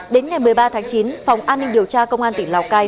đến ngày một mươi ba tháng chín phòng an ninh điều tra công an tỉnh lào cai